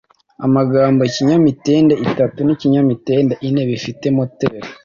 Amagambo "ikinyamitende itatu n'ikinyamitende ine bifite moteri"